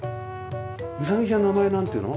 うさぎちゃん名前なんていうの？